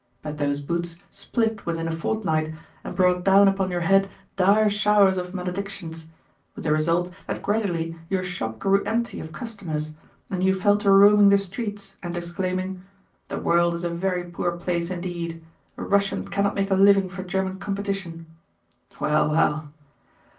But those boots split within a fortnight, and brought down upon your head dire showers of maledictions; with the result that gradually your shop grew empty of customers, and you fell to roaming the streets and exclaiming, 'The world is a very poor place indeed! A Russian cannot make a living for German competition.' Well, well!